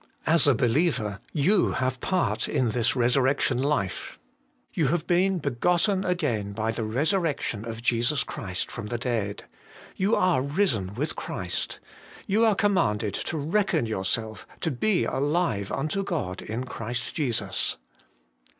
As a believer you have part in this Eesurrec tion Life. You have been ' begotten again by the resurrection of Jesus Christ from the dead.' You are ' risen with Christ.' You are commanded ' to reckon yourself to be alive unto God in Christ Jesus.'